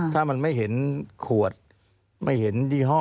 ถ้ามันไม่เห็นขวดไม่เห็นยี่ห้อ